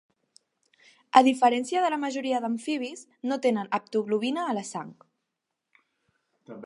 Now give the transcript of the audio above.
A diferència de la majoria d'amfibis, no tenen haptoglobina a la sang.